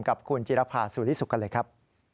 กับคุณจิรภาสุริสุขกันเลยครับ